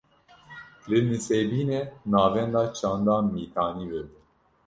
Li Nisêbînê, Navenda Çanda Mîtanî vebû